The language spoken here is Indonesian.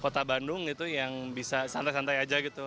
kota bandung itu yang bisa santai santai aja gitu